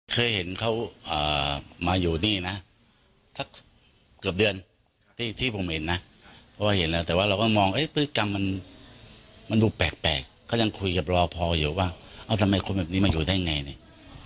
เคยเห็นเขามาอยู่นี่นะสักเกือบเดือนที่ผมเห็นนะเพราะว่าเห็นแล้วแต่ว่าเราก็มองพฤติกรรมมันดูแปลกเขายังคุยกับรอพออยู่ว่าเอาทำไมคนแบบนี้มาอยู่ได้ยังไงเนี่ย